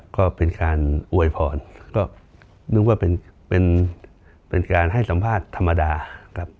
ก็เป็นการอวยพรก็นึกว่าเป็นการให้สัมภาษณ์ธรรมดาครับ